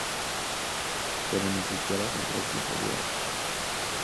Pero ni siquiera eso ofrece salidas.